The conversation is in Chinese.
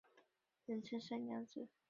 人称三娘子。